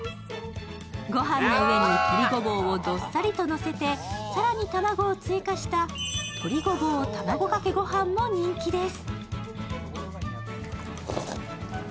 ご飯の上に鶏ごぼうをどっさりとのせて更に卵を追加した鶏ごぼう卵かけご飯も人気です。